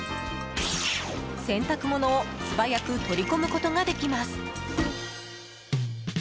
洗濯物を素早く取り込むことができます。